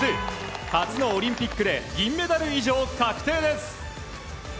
初のオリンピックで銀メダル以上確定です。